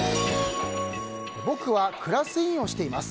僕はクラス委員をしています。